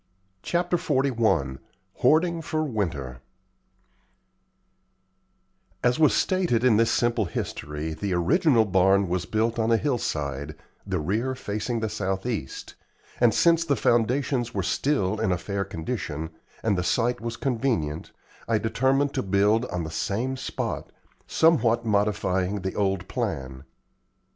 CHAPTER XLI HOARDING FOR WINTER As was stated early in this simple history the original barn was built on a hillside, the rear facing the southeast; and since the foundations were still in a fair condition, and the site was convenient, I determined to build on the same spot, somewhat modifying the old plan.